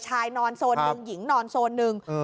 นอนโซนหนึ่งหญิงนอนโซนหนึ่ง